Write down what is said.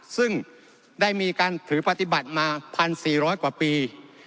ซึ่งได้มีการถือปฏิบัติมา๑๔๐๐กว่าปี